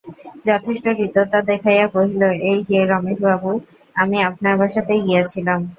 যথেষ্ট হৃদ্যতা দেখাইয়া কহিল, এই-যে রমেশবাবু, আমি আপনার বাসাতেই গিয়াছিলাম।